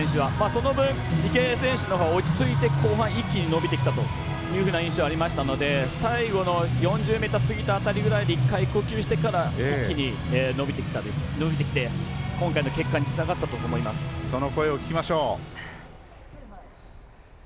その分、池江選手のほうが落ち着いて後半、一気に伸びてきたというふうな印象がありましたので最後の４０ｍ過ぎた辺りで一回、呼吸してから伸びてきて今回の結果にその声を聞きましょう。